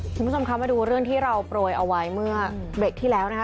คุณผู้ชมคะมาดูเรื่องที่เราโปรยเอาไว้เมื่อเบรกที่แล้วนะคะ